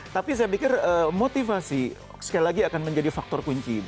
tapi saya pikir motivasi sekali lagi akan menjadi faktor kunci